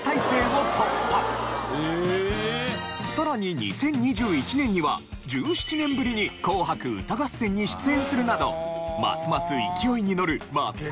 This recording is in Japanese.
さらに２０２１年には１７年ぶりに『紅白歌合戦』に出演するなどますます勢いにのる『マツケンサンバ』。